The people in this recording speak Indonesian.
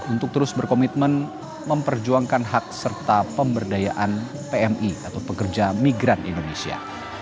untuk terus berkomitmen memperjuangkan hak serta pemberdayaan pmi atau pekerja migran indonesia